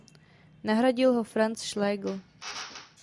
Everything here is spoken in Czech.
Nahradil ho Franz Schlegel.